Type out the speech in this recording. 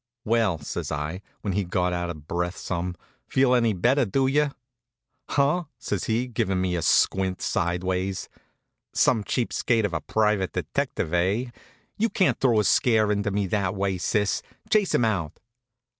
"Well," says I, when he'd got out of breath some, "feel any better, do you?" "Huh!" says he, givin' me a squint sideways. "Some cheap skate of a private detective, eh! You can't throw a scare into me that way, sis. Chase him out."